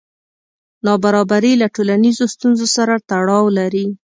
نابرابري له ټولنیزو ستونزو سره تړاو لري.